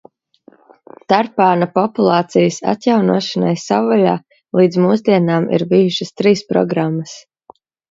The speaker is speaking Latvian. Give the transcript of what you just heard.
Tarpāna populācijas atjaunošanai savvaļā līdz mūsdienām ir bijušas trīs programas.